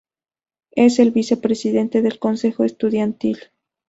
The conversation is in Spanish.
Es el vicepresidente del consejo estudiantil.